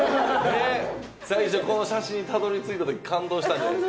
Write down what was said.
最初この写真にたどり着いた時感動したんじゃないですか？